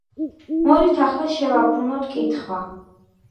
მოდით ახლა შევაბრუნოთ კითხვა.